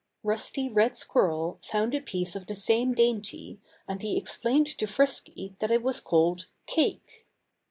Rusty Red squirrel found a piece of the same dainty, and he explained to Frisky that it was called "cake."